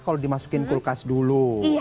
kalau dimasukin kulkas dulu